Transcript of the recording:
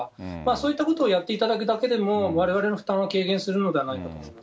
そういったことをやっていただくだけでも、われわれの負担は軽減するのではないかと思います。